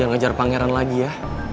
ngejar pangeran lagi ya